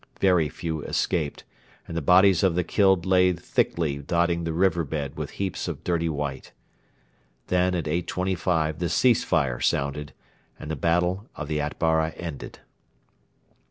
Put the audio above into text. Very few escaped, and the bodies of the killed lay thickly dotting the river bed with heaps of dirty white. Then at 8.25 the 'Cease fire' sounded, and the battle of the Atbara ended.